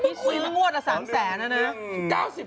มีซื้องวดละสามแสนแล้วนะ